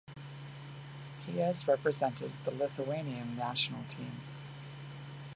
He has represented the Lithuania national team.